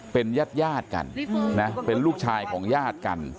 เป็นญาติกันนะเป็นลูกชายของญาติกัน